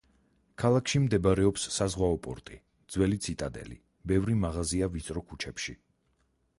ქალაქში მდებარეობს საზღვაო პორტი, ძველი ციტადელი, ბევრი მაღაზია ვიწრო ქუჩებში.